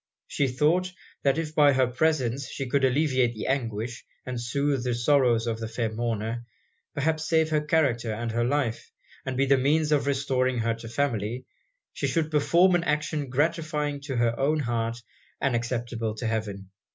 She thought, that if by her presence she could alleviate the anguish, and soothe the sorrows of the fair mourner, perhaps save her character and her life, and be the means of restoring her to her family, she should perform an action gratifying to her own heart, and acceptable to heaven.